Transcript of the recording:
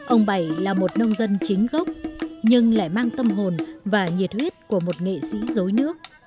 ông bảy là một nông dân chính gốc nhưng lại mang tâm hồn và nhiệt huyết của một nghệ sĩ dối nước